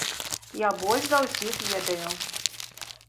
Я больш за ўсіх ведаю.